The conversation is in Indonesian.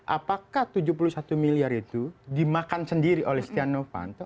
apakah tujuh puluh satu miliar itu dimakan sendiri oleh setia novanto